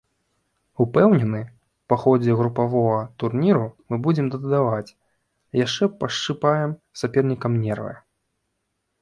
Упэўнены, па ходзе групавога турніру мы будзем дадаваць і яшчэ пашчыпаем сапернікам нервы.